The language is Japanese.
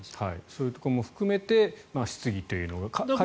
そういうところも含めて質疑という。